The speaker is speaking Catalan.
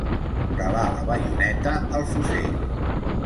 Calar la baioneta al fusell.